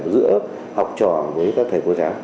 giữa học trò với các thầy cô giáo